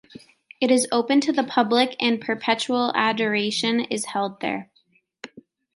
It is open to the public and perpetual adoration is held there.